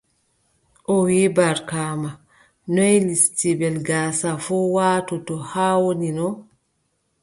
O wii, Barkaama, noy listibel gaasa fuu waatoto haa wonino?